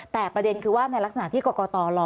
แต่ประเด็นคือว่าในลักษณะที่กรกตรอ